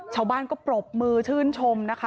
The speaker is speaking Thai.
ชาวบ้านก็ปรบมือชื่นชมนะคะ